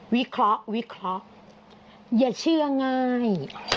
วิเคราะห์วิเคราะห์อย่าเชื่อง่าย